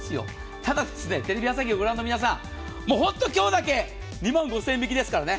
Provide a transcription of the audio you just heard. ただ、テレビ朝日のご覧の皆さん本当に今日だけ２万５０００円引きですからね。